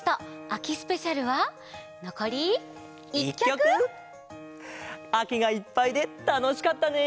あきがいっぱいでたのしかったね！